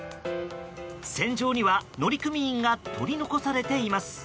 船上には乗組員が取り残されています。